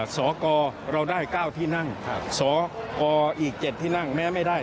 สกเราได้๙ที่นั่งสกอีก๗ที่นั่งแม้ไม่ได้